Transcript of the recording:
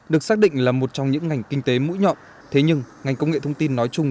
được xác định là một trong những ngành kinh tế mũi nhọn thế nhưng ngành công nghệ thông tin nói chung